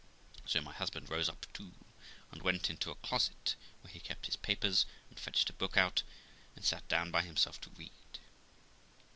So my husband rose up too, and went into a closet where he kept his papers, and fetched a book out, and sat down by himself to read.